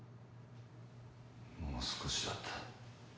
もう少しだった。